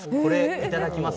いただきます。